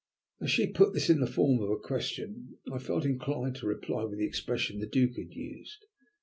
As she put this in the form of a question, I felt inclined to reply with the expression the Duke had used.